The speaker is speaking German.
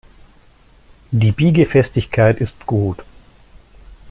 Die Biegefestigkeit ist gut.